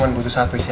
mas ini udah selesai